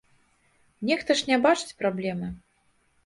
Нехта ж не бачыць праблемы.